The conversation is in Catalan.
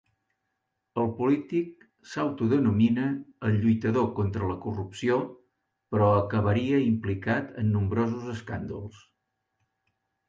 El polític s'autodenomina el lluitador contra la corrupció, però acabaria implicat en nombrosos escàndols.